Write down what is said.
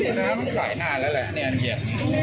อ๋อน้ำหลายหน้าแล้วแหละนี่อันเหยียบ